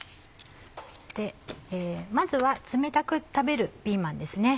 まずは冷たく食べるピーマンですね。